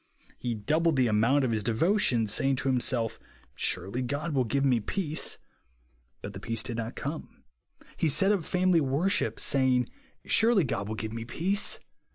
He doubled the amount of his devotions, saying to himsolf. Surely God will give me peace. But the peace did not come. He set up family worship, saying, Surely God will give me peace.